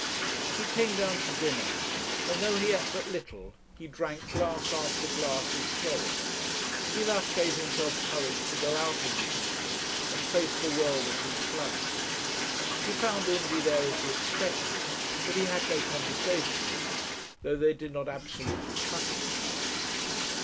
He came down to dinner, and though he ate but little, he drank glass after glass of sherry. He thus gave himself courage to go out in the evening and face the world at his club. He found Undy there as he expected, but he had no conversation with him, though they did not absolutely cut each other.